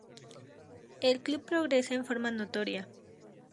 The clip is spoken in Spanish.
El club progresa en forma notoria.